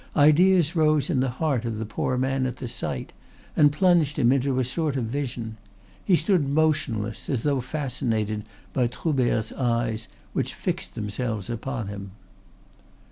Ideas rose in the heart of the poor man at the sight, and plunged him into a sort of vision. He stood motionless, as though fascinated by Troubert's eyes which fixed themselves upon him.